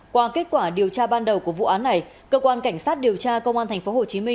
qua kết quả điều tra ban đầu của vụ án này cơ quan cảnh sát điều tra công an tp hcm